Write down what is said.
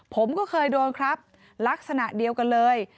ผมก็เคยโดนครับลักษณะเดียวกันเลย